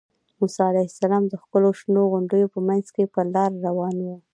موسی علیه السلام د ښکلو شنو غونډیو په منځ کې پر لاره روان و.